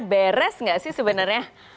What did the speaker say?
beres gak sih sebenarnya